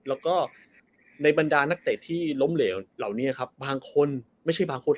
แล้วก็ในบรรดานักเตะที่ล้มเหลวเหล่านี้ครับบางคนไม่ใช่บางคน